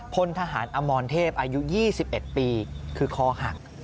พลทหารอมรเทพอายุ๒๑ปีคือคอหัก